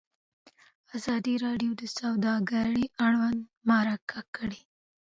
ازادي راډیو د سوداګري اړوند مرکې کړي.